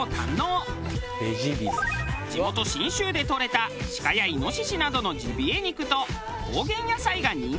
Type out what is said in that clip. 地元信州でとれたシカやイノシシなどのジビエ肉と高原野菜が人気のお店。